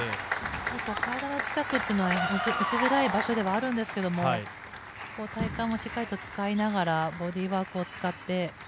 体の近くっていうのは打ちづらい場所ではあるんですけれど、体幹もしっかりと使いながらボディーバークを使って。